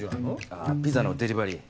ああピザのデリバリー。